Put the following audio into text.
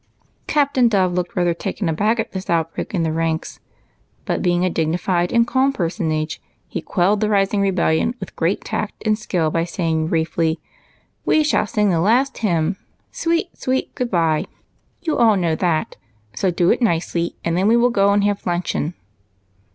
Captain Dove looked rather taken aback at this outbreak in the ranks ; but, being a dignified and calm personage, he quelled the rising rebellion with great tact and skill by saying, briefly, —" We will sing the last hymn ;' Sweet, sweet good by,' — you all know that, so do it nicely, and then we will go and have luncheon."